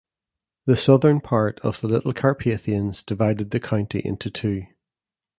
The southern part of the Little Carpathians divided the county into two.